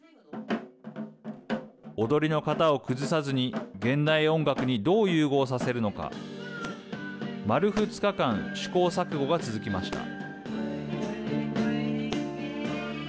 踊りの型を崩さずに現代音楽にどう融合させるのか丸２日間試行錯誤が続きました。